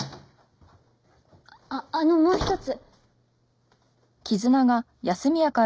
あっあのもう一つ。